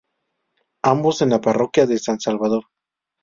Ambos en la parroquia de San Salvador.